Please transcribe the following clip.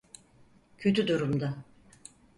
Kötü durumda.